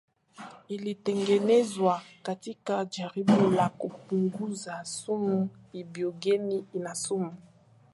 ilitengenezwa katika jaribio la kupunguza sumu ibogeni ina sumu